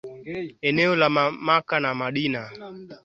eneo la Maka na Madina Kiongozi mpya aliyeitwa Muhamad aliunganisha